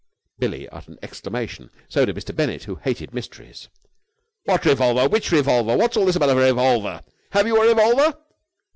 Billie uttered an exclamation. So did Mr. Bennett, who hated mysteries. "What revolver? Which revolver? What's all this about a revolver? Have you a revolver?"